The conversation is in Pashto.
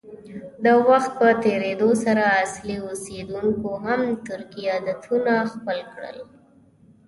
د وخت په تېرېدو سره اصلي اوسیدونکو هم ترکي عادتونه خپل کړل.